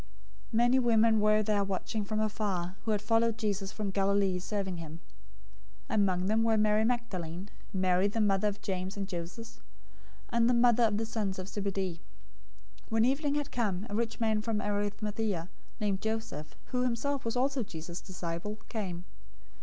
027:055 Many women were there watching from afar, who had followed Jesus from Galilee, serving him. 027:056 Among them were Mary Magdalene, Mary the mother of James and Joses, and the mother of the sons of Zebedee. 027:057 When evening had come, a rich man from Arimathaea, named Joseph, who himself was also Jesus' disciple came.